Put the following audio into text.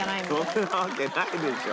そんなわけないでしょ。